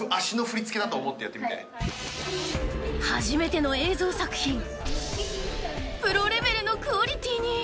［初めての映像作品］